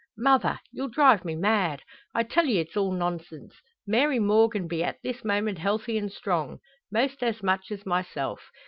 "Mother! You'll drive me mad! I tell ye it's all nonsense. Mary Morgan be at this moment healthy and strong most as much as myself.